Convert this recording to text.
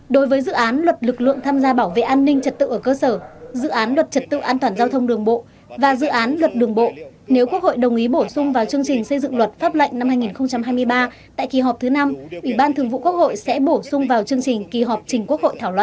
đối với dự án luật lực lượng tham gia bảo vệ an ninh trật tự ở cơ sở dự án luật trật tự an toàn giao thông đường bộ và dự án luật đường bộ nếu quốc hội đồng ý bổ sung vào chương trình xây dựng luật pháp lệnh năm hai nghìn hai mươi ba tại kỳ họp thứ năm ủy ban thường vụ quốc hội sẽ bổ sung vào chương trình kỳ họp trình quốc hội thảo luận